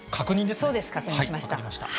そうです、分かりました。